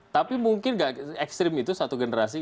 tapi mungkin gak ekstrim itu satu generasi